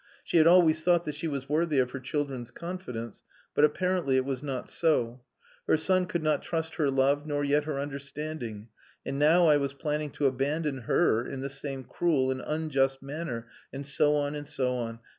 She had always thought that she was worthy of her children's confidence, but apparently it was not so. Her son could not trust her love nor yet her understanding and now I was planning to abandon her in the same cruel and unjust manner, and so on, and so on.